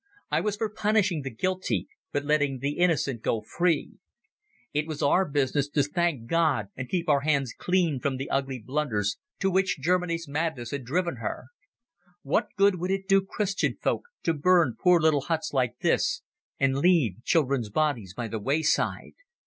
I was for punishing the guilty but letting the innocent go free. It was our business to thank God and keep our hands clean from the ugly blunders to which Germany's madness had driven her. What good would it do Christian folk to burn poor little huts like this and leave children's bodies by the wayside?